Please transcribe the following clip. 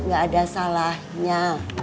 gak ada salahnya